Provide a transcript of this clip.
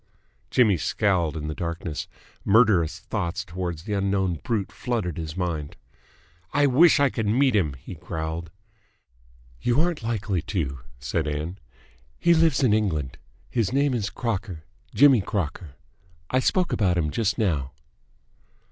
Jimmy scowled in the darkness. Murderous thoughts towards the unknown brute flooded his mind. "I wish I could meet him!" he growled. "You aren't likely to," said Ann. "He lives in England. His name is Crocker. Jimmy Crocker. I spoke about him just now."